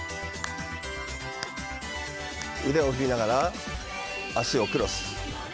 腕を振りながら脚をクロス。